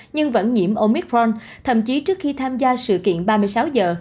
nhưng vẫn nhiễm omicron thậm chí trước khi tham gia sự kiện ba mươi sáu giờ